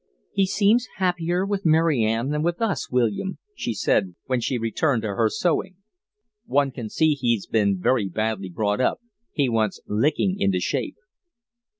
"He seems happier with Mary Ann than with us, William," she said, when she returned to her sewing. "One can see he's been very badly brought up. He wants licking into shape."